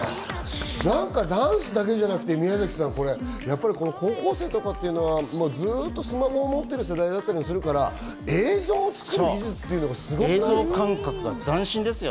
ダンスだけじゃなくて、高校生とかはずっとスマホを持っている世代だったりするから、映像を作る技術ってすごくないですか？